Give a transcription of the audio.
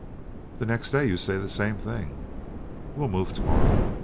The next day you say the same thing, "We'll move to morrow.